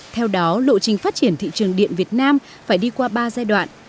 theo đó lộ trình phát triển thị trường điện việt nam phải đi qua ba giai đoạn